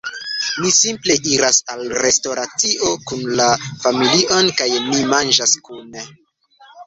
Mi simple iras al restoracio kun la familio kaj ni manĝas kune